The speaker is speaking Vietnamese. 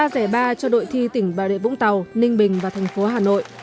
ba giải ba cho đội thi tỉnh bà rịa vũng tàu ninh bình và thành phố hà nội